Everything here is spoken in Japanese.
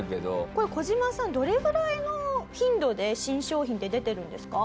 これコジマさんどれぐらいの頻度で新商品って出てるんですか？